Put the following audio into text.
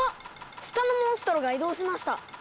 下のモンストロが移動しました。